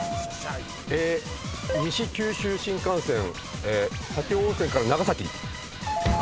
西九州新幹線武雄温泉から長崎。